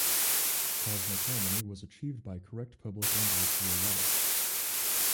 Cosmic harmony was achieved by correct public and ritual life.